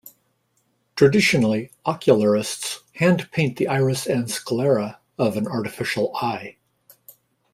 Traditionally ocularists hand paint the iris and sclera of an artificial eye.